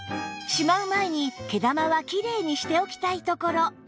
しまう前に毛玉はきれいにしておきたいところ